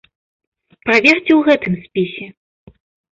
Праверце ў гэтым спісе.